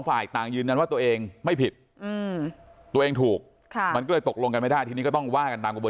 อันนี้มันก็จบ